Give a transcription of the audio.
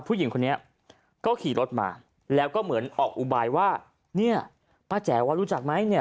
ผู้หญิงคนนี้ก็ขี่รถมาแล้วก็เหมือนออกอุบายว่าเนี่ยป้าแจ๋วว่ารู้จักไหมเนี่ย